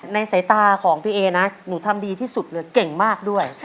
ในสายตาของพี่เอนะหนูทำดีที่สุดเลยเก่งมากด้วย